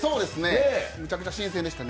めちゃくちゃ新鮮でしたね。